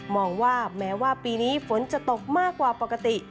มองว่าแม้ว่าปีนี้ฝนจะตกมากกว่าปกติ